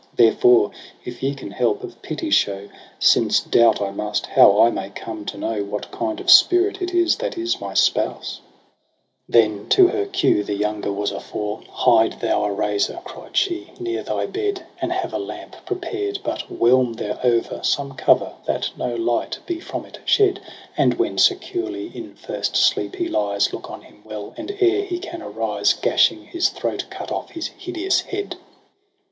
Therefore, if ye can help, of pity show. Since doubt I must, how I may come to know What kind of spirit it is that is my spouse.' iitf EROS ^ PSYCHE iz Then to her cue the younger was afore :' Hide thou a razor,' cried she, ' near thy bed j And have a lamp prepared, but whelm thereo'er Some cover, that no light be from it shed. And when securely in first sleep he lies. Look on him well, and ere he can arise. Gashing his throat, cut off his hideous head.'